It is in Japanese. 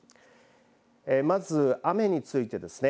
まず雨についてですね。